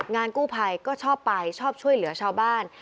งานกู้ภัยก็ชอบไปชอบช่วยเหลือชาวบ้าน